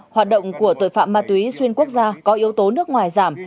hoạt động của tội phạm ma túy xuyên quốc gia có yếu tố nước ngoài giảm